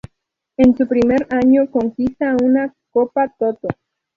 En su primer año conquista una Copa Toto.